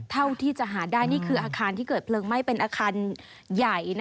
เท่าที่จะหาได้นี่คืออาคารที่เกิดเพลิงไหม้เป็นอาคารใหญ่